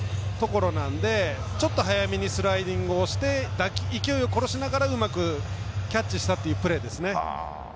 ちょっと早めにスライディングして勢いを殺しながらうまくキャッチしたというプレーですね。